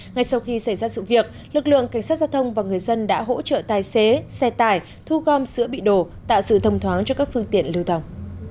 ngay sau khi xảy ra sự việc lực lượng cảnh sát giao thông và người dân đã hỗ trợ tài xế xe tải thu gom sữa bị đổ tạo sự thông thoáng cho các phương tiện lưu thông